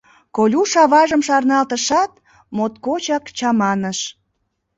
— Колюш аважым шарналтышат, моткочак чаманыш.